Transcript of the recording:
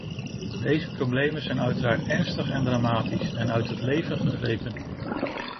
Deze problemen zijn uiteraard ernstig en dramatisch en uit het leven gegrepen.